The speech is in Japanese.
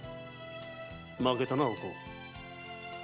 負けたなお甲。